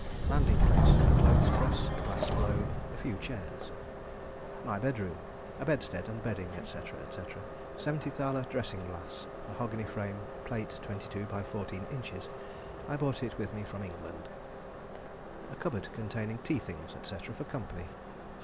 Landing place: A clothes press, a glass globe, a few chairs. My Bedroom: A bedstead and bedding, &c., &c. 70 thl. dressing glass, mahogany frame, plate 22 by 14 inches. (I brought it with me from England.) A cupboard containing tea things, &c., for company.